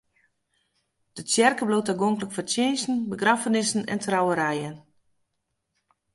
De tsjerke bliuwt tagonklik foar tsjinsten, begraffenissen en trouwerijen.